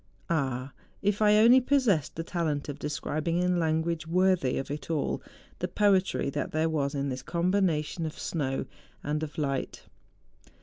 Ah ! if I only possessed the talent of describing in language worthy of it all the poetry that there was in this combination of snow and of light.